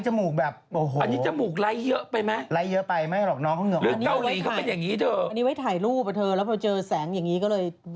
จมูกเก่านะโมทไหนอันนี้ผู้ชายแต่งหน้าน้อย